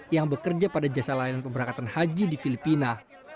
yang bekerja pada jasa layanan pemberangkatan haji di filipina